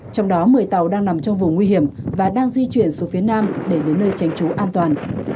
trong đó một mươi tàu đang nằm trong vùng nguy hiểm và đang di chuyển xuống phía nam để đến nơi tránh trú an toàn